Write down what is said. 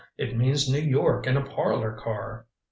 It means New York in a parlor car."